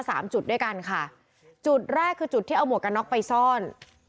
สามจุดด้วยกันค่ะจุดแรกคือจุดที่เอาหมวกกันน็อกไปซ่อน